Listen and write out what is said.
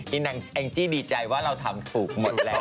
นางแองจี้ดีใจว่าเราทำถูกหมดแล้ว